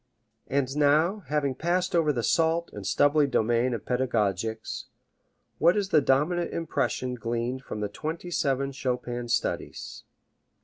And now, having passed over the salt and stubbly domain of pedagogics, what is the dominant impression gleaned from the twenty seven Chopin studies?